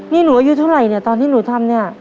นี่หนูอายุเท่าไหร่เนี่ยตอนที่หนูทำเนี่ย